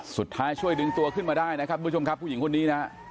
สุดท้ายช่วยดึงตัวขึ้นมาได้นะครับคุณผู้ชมครับผู้หญิงคนนี้นะครับ